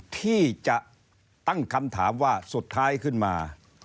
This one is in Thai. ที่จะตั้งคำถามว่าสุดท้ายขึ้นมา